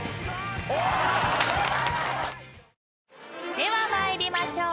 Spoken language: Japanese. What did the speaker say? ［では参りましょう］